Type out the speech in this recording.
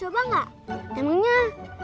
selamat hari tepuk tangan